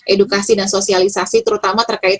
edukasi dan sosialisasi terutama terkait